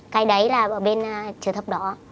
cái đấy là ở bên trường thập đó